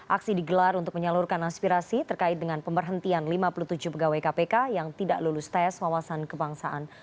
aksi digelar untuk menyalurkan aspirasi terkait dengan pemberhentian lima puluh tujuh pegawai kpk yang tidak lulus tes wawasan kebangsaan